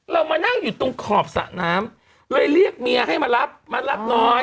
เรามานั่งอยู่ตรงขอบสระน้ำเลยเรียกเมียให้มารับมารับหน่อย